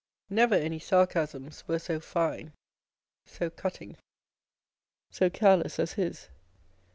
Never any sarcasms were so fine, so cutting, so careless as his.